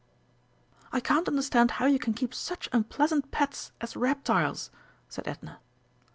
"I can't understand how you can keep such unpleasant pets as reptiles," said Edna.